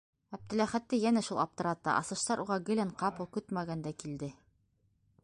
Әптеләхәтте йәнә шул аптырата: асыштар уға гелән ҡапыл, көтмәгәндә килде.